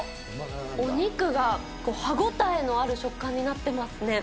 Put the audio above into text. お肉が歯応えのある食感になってますね。